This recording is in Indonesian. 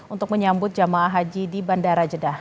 untuk menyambut jemaah haji di bandara jeddah